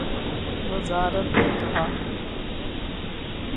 وزارت نے کہا